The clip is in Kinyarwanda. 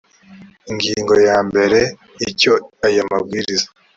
ingingo ya mbere icyo aya mabwiriza